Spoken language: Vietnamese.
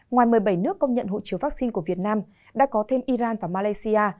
ngoài một mươi bảy nước công nhận hộ chiếu vaccine của việt nam đã có thêm iran và malaysia